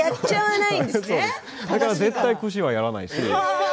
だから絶対腰はやらないですね。